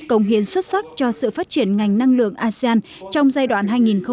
cống hiến xuất sắc cho sự phát triển ngành năng lượng asean trong giai đoạn hai nghìn một mươi chín hai nghìn hai mươi